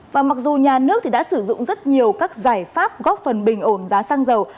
và mặc dù nhà nước đã sử dụng rất nhiều các giải pháp góp phần bình ổn giá xăng dầu